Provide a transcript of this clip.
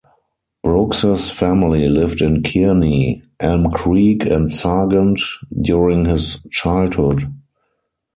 Brooks' family lived in Kearney, Elm Creek, and Sargent during his childhood.